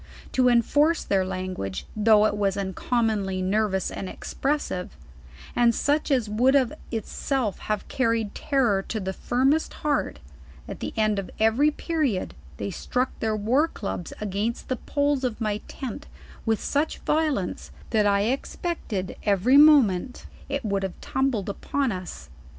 To en force their language, though it was uncommonly nervous and expressive, and such as would of itself have carried terror to the firmest heart, at the e:id of every period they struck their war clubs against the poles of my tent with such vio lence, that I expected every moment it would have tumbled upon us.